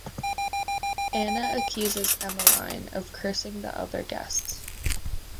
Anna accuses Emeline of cursing the other guests.